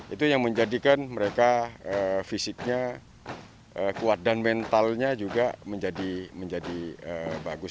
itu yang menjadikan mereka fisiknya kuat dan mentalnya juga menjadi bagus